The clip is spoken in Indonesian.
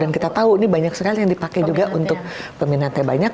dan kita tahu ini banyak sekali yang dipakai juga untuk peminatnya banyak